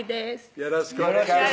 よろしくお願いします